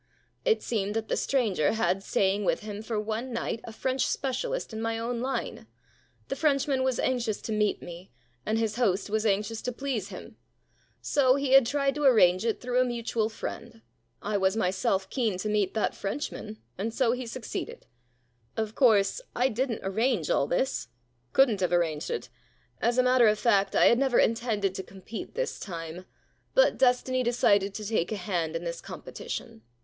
It seemed that the stranger had staying with him for one night a French specialist in my own line. The Frenchman was anxious to meet me, and his host was anxious to please him. So he had tried to arrange it through a mutual friend. I was myself keen to meet that Frenchman, and so he succeeded. * Of course, I didn't arrange all this — couldn*t have arranged it. As a matter of fact, I had never intended to compete this time. But destiny decided to take a hand in this competition.